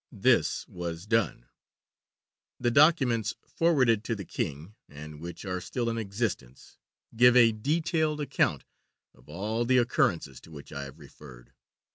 This was done. The documents forwarded to the King (and which are still in existence) give a detailed account of all the occurrences to which I have referred.